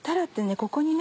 ここにね